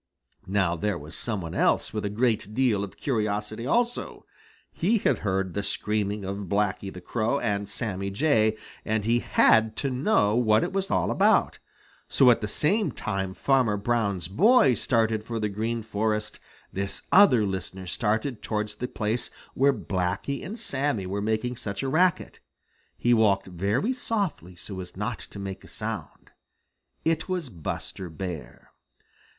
Now there was some one else with a great deal of curiosity also. He had heard the screaming of Blacky the Crow and Sammy Jay, and he had listened until he couldn't stand it another minute. He just had to know what it was all about. So at the same time Farmer Brown's boy started for the Green Forest, this other listener started towards the place where Blacky and Sammy were making such a racket. He walked very softly so as not to make a sound. It was Buster Bear.